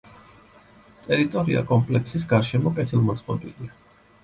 ტერიტორია კომპლექსის გარშემო კეთილმოწყობილია.